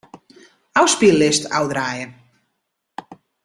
Ofspyllist ôfdraaie.